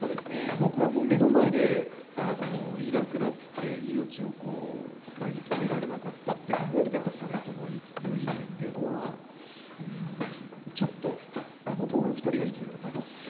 僕はもう目の前でいなくなって命をつなぎ止められなかったって考えるとやっぱ実朝頼家っていうのはんちょっとあの２人が生きてたらまたすごい変革があったと思うんですよ。